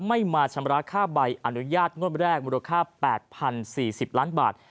ไม่มาชำระค่าใบอนุญาตงวดแรกมูลค่า๘๐๔๐ล้านบาท